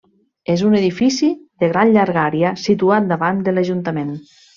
És un edifici de gran llargària situat davant de l'Ajuntament.